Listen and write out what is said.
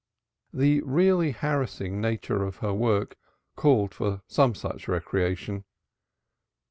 The really harassing nature of her work called for some such recreation.